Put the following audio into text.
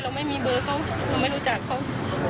เราไม่มีเบอร์เขาเราไม่รู้จักเขา